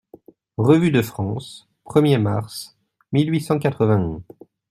REVUE DE FRANCE, premier mars mille huit cent quatre-vingt-un.